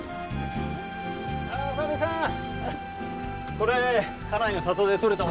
これ家内の里で取れたものです。